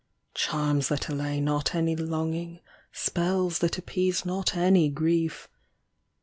Charms that allay not any longing. Spells that appease not any grief.